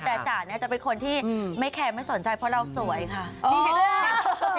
แต่จ๋าจะเป็นคนที่ไม่แคลอบไม่สนใจคือว่าเราสวยค่ะ